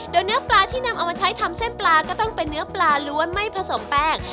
โดยเนื้อปลาที่นำเอามาใช้ทำเส้นปลาก็ต้องเป็นเนื้อปลาล้วนไม่ผสมแป้ง